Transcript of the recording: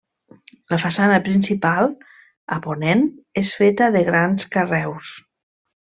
La façana principal, a ponent, és feta de grans carreus.